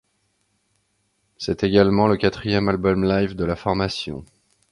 C'est également le quatrième album live de la formation.